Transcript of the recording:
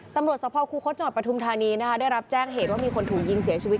ตำรวจสภคูคศจังหวัดปทุมธานีนะคะได้รับแจ้งเหตุว่ามีคนถูกยิงเสียชีวิต